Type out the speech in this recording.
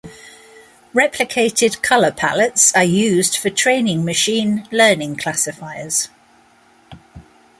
Replicated color palettes are used for training machine learning classifiers.